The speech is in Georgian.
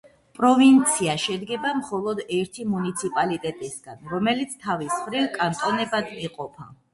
პროვინცია შედგება მხოლოდ ერთი მუნიციპალიტეტისაგან, რომელიც თავის მხრივ კანტონებად იყოფა.